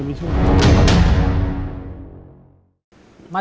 ที่ตกน้ำ